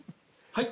はい？